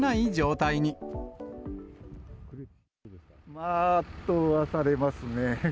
まあ、圧倒はされますね。